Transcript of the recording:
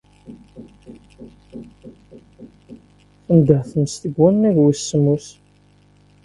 Tendeḥ tmes deg wannag wis semmus.